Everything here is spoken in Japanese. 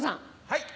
はい。